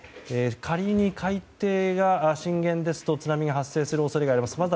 仮に海底が震源ですと津波が発生する恐れがあります。